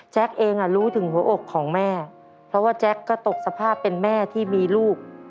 เองรู้ถึงหัวอกของแม่เพราะว่าแจ๊คก็ตกสภาพเป็นแม่ที่มีลูก